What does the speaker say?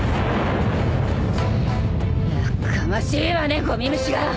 やかましいわねごみ虫が！